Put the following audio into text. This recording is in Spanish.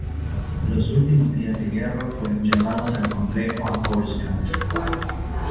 Los últimos días de guerra fueron llevados al complejo a Coruscant.